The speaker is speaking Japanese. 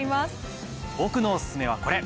僕のおすすめはこれ！